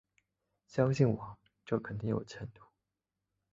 相信我，这肯定有前途